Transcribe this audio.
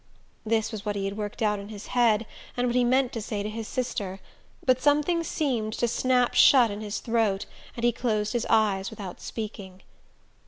This was what he had worked out in his head, and what he meant to say to his sister; but something seemed to snap shut in his throat, and he closed his eyes without speaking.